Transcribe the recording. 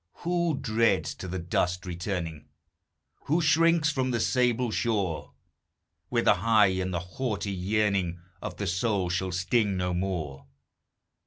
Who dreads to the dust returning? Who shrinks from the sable shore, Where the high and haughty yearning Of the soul shall sting no more!